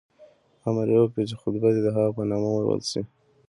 امر یې وکړ چې خطبه دې د هغه په نامه وویل شي.